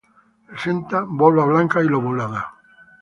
Presenta volva blanca y lobulada.